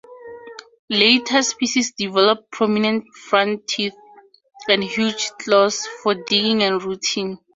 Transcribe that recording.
Later species developed prominent front teeth and huge claws for digging and rooting.